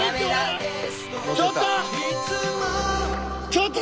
ちょっと！